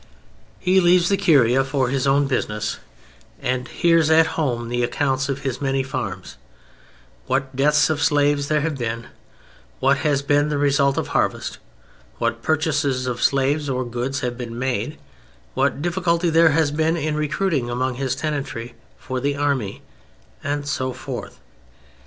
He leaves the Curia for his own business and hears at home the accounts of his many farms, what deaths of slaves there have been, what has been the result of the harvest, what purchases of slaves or goods have been made, what difficulty there has been in recruiting among his tenantry for the army, and so forth.